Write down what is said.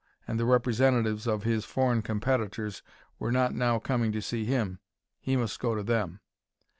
And the representatives of his foreign competitors were not now coming to see him; he must go to them.